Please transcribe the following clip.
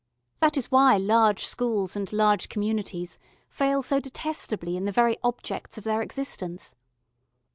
That is why large schools and large communities fail so detestably in the very objects of their existence.